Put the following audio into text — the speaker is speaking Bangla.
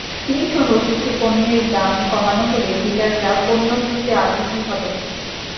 চিনিসহ কিছু পণ্যের দাম কমানো হলে ডিলাররা পণ্য তুলতে আগ্রহী হবেন।